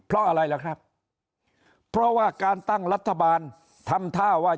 เพราะอะไรล่ะครับเพราะว่าการตั้งรัฐบาลทำท่าว่า